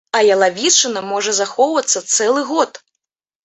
А ялавічына можа захоўвацца цэлы год!